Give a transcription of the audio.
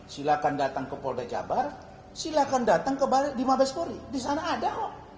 silahkan datang ke polda jabar silahkan datang ke mabeskori disana ada kok